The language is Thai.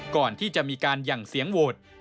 ก่อนที่จะมีการหยั่งเสียงโหวต